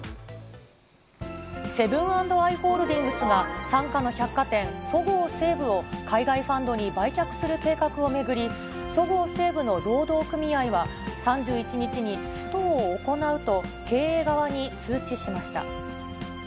セブン＆アイ・ホールディングスが、傘下の百貨店、そごう・西武を海外ファンドに売却する計画を巡り、そごう・西武の労働組合は、３１日にストを行うと、経営側に通知しました。